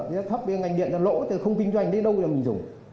giá thấp với ngành điện là lỗ không kinh doanh đấy đâu mà mình dùng